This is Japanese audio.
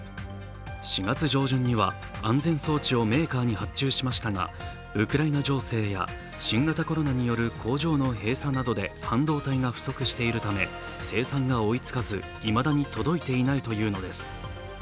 ４月上旬には安全装置をメーカーに発注しましたがウクライナ情勢や新型コロナによる工場の閉鎖などで半導体が不足しているため、生産が追い付かずいまだに届いていないというのです。